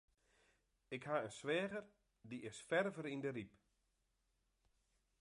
Ik ha in swager, dy is ferver yn de Ryp.